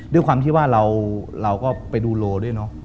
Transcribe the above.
ด้วยความที่ว่าเราก็ไปดูโลด้วยเนอะ